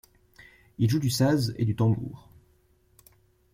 Il joue du saz et du tanbur.